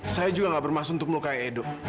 saya juga gak bermaksud untuk melukai edo